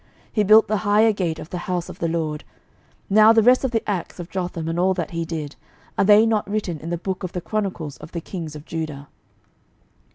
He built the higher gate of the house of the LORD. 12:015:036 Now the rest of the acts of Jotham, and all that he did, are they not written in the book of the chronicles of the kings of Judah?